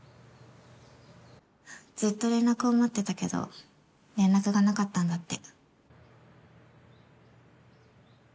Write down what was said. ずっと連絡を待ってたけど連絡がなかったんだって。